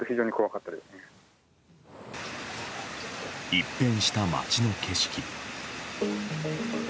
一変した街の景色。